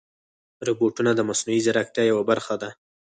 روبوټونه د مصنوعي ځیرکتیا یوه برخه ده.